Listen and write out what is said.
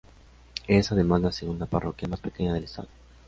Es, además, la segunda parroquia más pequeña del Estado.